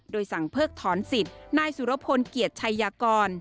โดยสั่งเพิกถอนสิทธิ์นายสุรพลเกียรติชัยยากร